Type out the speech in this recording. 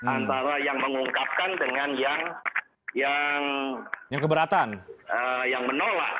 antara yang mengungkapkan dengan yang menolak